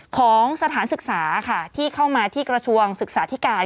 ของสถานศึกษาค่ะที่เข้ามาที่กระทรวงศึกษาธิการ